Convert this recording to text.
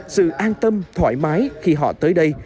sự an tâm thoải mái khi họ tới đây